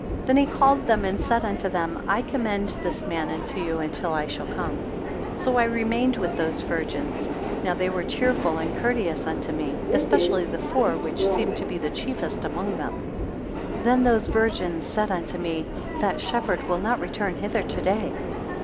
Then he called them and said unto them, I commend this man unto you until I shall come; 95 So I remained with those virgins: now they were cheerful and courteous unto me; especially the four, which seemed to be the chiefest among them. 96 Then those virgins said unto me, that shepherd will not return hither to day.